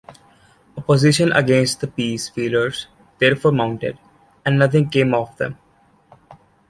Opposition against the peace feelers therefore mounted, and nothing came of them.